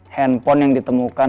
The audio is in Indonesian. handphone yang ditemukan